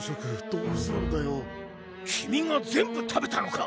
君が全部食べたのか？